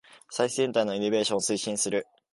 最先端のイノベーションを推進する